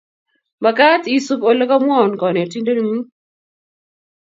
Magaat isup olegamwaun konetindengung